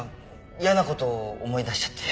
嫌な事を思い出しちゃって。